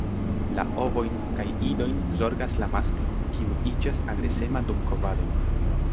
La ovojn kaj idojn zorgas la masklo, kiu iĝas agresema dum kovado.